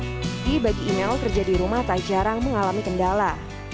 jadi bagi email kerja di rumah tak jarang mengalami kendala